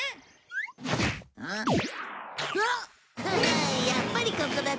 やっぱりここだったね。